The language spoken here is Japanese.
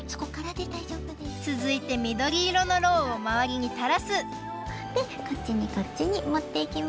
つづいてみどりいろのろうをまわりにたらすでこっちにこっちにもっていきます。